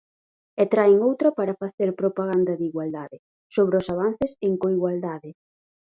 E traen outra para facer propaganda de igualdade, sobre os avances en coigualdade.